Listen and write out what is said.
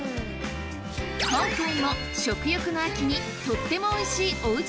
今回も食欲の秋にとってもおいしいおうち